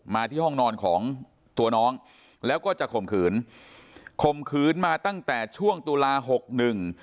ที่ห้องนอนของตัวน้องแล้วก็จะข่มขืนข่มขืนมาตั้งแต่ช่วงตุลาหกหนึ่ง